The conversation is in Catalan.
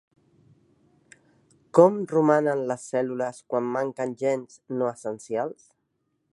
Com romanen les cèl·lules quan manquen gens "no essencials"?